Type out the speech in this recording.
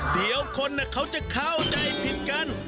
เดี๋ยวคนเขาจะเข้าใจผิดกัน